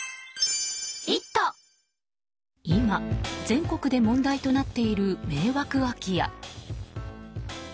今、全国で問題となっている迷惑空き家。